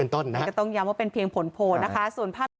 ต้องย้ำว่าเป็นเพียงผลโพลนะคะ